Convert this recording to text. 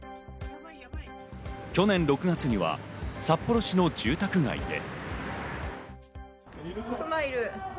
去年６月には札幌市の住宅街で。